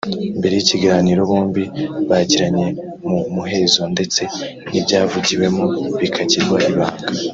Mbere y’ikiganiro bombi bagiranye mu muhezo ndetse n’ibyavugiwemo bikagirwa ibanga